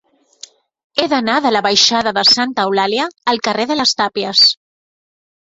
He d'anar de la baixada de Santa Eulàlia al carrer de les Tàpies.